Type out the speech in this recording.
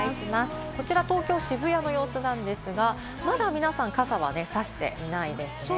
こちら東京・渋谷の様子ですが、まだ皆さん傘はさしていないですね。